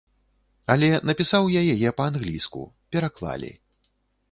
Але напісаў я яе па-англійску, пераклалі.